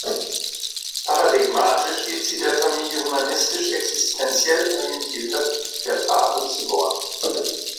Paradigmatisch wird sie der Familie humanistisch-existenziell orientierter Verfahren zugeordnet.